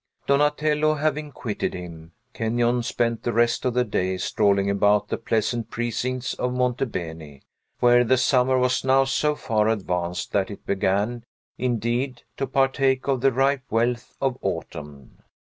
Donatello having quitted him, Kenyon spent the rest of the day strolling about the pleasant precincts of Monte Beni, where the summer was now so far advanced that it began, indeed, to partake of the ripe wealth of autumn.